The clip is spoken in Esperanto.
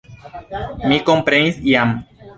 Mi komprenis jam.